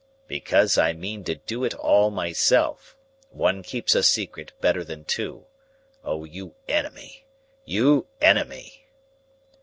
"Because I mean to do it all myself. One keeps a secret better than two. O you enemy, you enemy!"